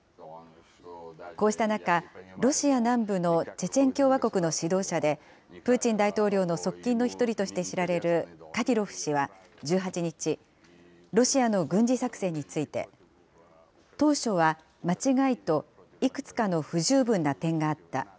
こうした中、ロシア南部のチェチェン共和国の指導者で、プーチン大統領の側近の一人として知られる、カディロフ氏は１８日、ロシアの軍事作戦について、当初は間違いといくつかの不十分な点があった。